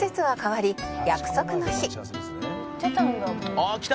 「あっきた！